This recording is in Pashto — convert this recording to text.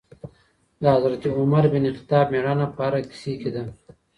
د حضرت عمر بن خطاب مېړانه په هره کیسې کي ده.